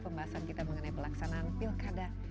pembahasan kita mengenai pelaksanaan pilkada